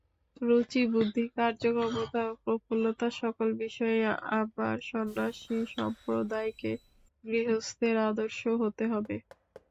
রুচি বুদ্ধি কার্যক্ষমতা ও প্রফুল্লতা, সকল বিষয়েই আমার সন্ন্যাসীসম্প্রদায়কে গৃহস্থের আদর্শ হতে হবে।